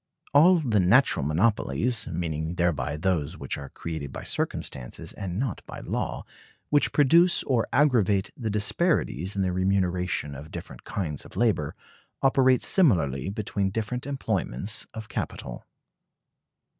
All the natural monopolies (meaning thereby those which are created by circumstances, and not by law) which produce or aggravate the disparities in the remuneration of different kinds of labor, operate similarly between different employments of capital.